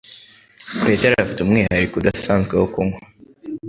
Petero afite umwihariko udasanzwe wo kunywa